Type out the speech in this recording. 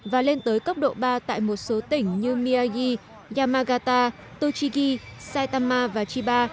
và lên tới cấp độ ba tại một số tỉnh như miyagi yamagata tochigi saitama và chiba